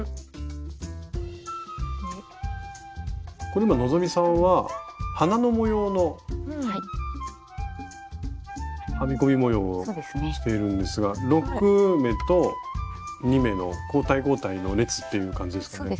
これ今希さんは花の模様の編み込み模様をしているんですが６目と２目の交代交代の列っていう感じですかね。